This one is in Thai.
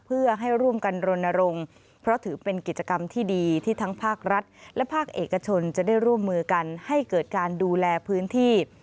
เพื่อให้ร่วมกันรณรงค์เพราะถือเป็นกิจกรรมที่ดีที่ทั้งภาครัฐและภาคเอกชนจะได้ร่วมมือกันให้เกิดการดูแลพื้นที่